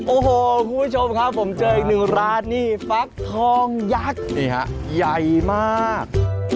โอ้โหคุณผู้ชมครับผมเจออีกหนึ่งร้านนี่ฟักทองยักษ์นี่ฮะใหญ่มาก